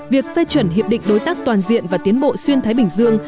việc phê chuẩn hiệp định đối tác toàn diện và tiến bộ xuyên thái bình dương